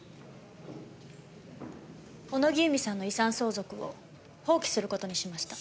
小野木由美さんの遺産相続を放棄する事にしました。